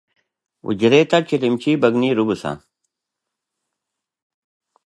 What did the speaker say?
هغه د نورو خزانو د لوټلو څخه ترلاسه کړي وه.